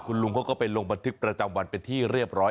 คุณลุงเขาก็ไปลงบันทึกประจำวันเป็นที่เรียบร้อย